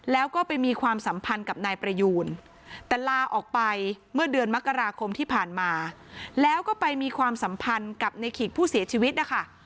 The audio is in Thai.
แล้วก็ไปมีความสัมพันธ์กับนายประยูนแต่ลาออกไปเมื่อเดือนมกราคมที่ผ่านมาแล้วก็ไปมีความสัมพันธ์กับในขีกผู้เสียชีวิตนะคะ